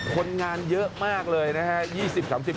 คนงานเยอะมากเลยนะครับ